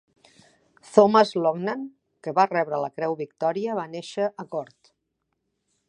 Thomas Laughnan, que va rebre la Creu Victòria, va néixer a Gort.